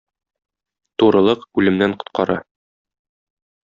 Турылык үлемнән коткара.